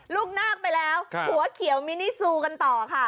ลูกนาคไปแล้วหัวเขียวมินิซูกันต่อค่ะ